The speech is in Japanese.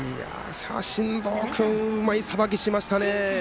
進藤君うまいさばきしましたね。